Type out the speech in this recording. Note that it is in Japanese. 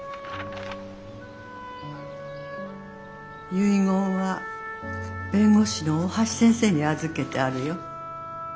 「遺言は弁護士の大橋先生に預けてあるよ。